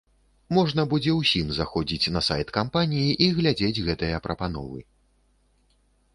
Можна будзе ўсім заходзіць на сайт кампаніі і глядзець гэтыя прапановы.